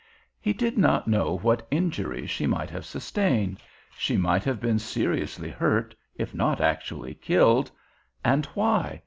He did not know what injury she might have sustained; She might have been seriously hurt, if not actually killed. And why?